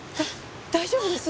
大丈夫です？